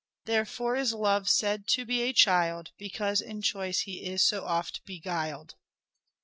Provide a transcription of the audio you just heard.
" Therefore is Love said to be a child Because in choice he is so oft beguiled."